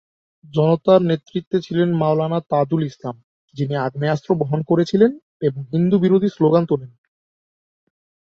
জনতার নেতৃত্বে ছিলেন মাওলানা তাজুল ইসলাম, যিনি আগ্নেয়াস্ত্র বহন করেছিলেন এবং হিন্দু-বিরোধী স্লোগান তোলেন।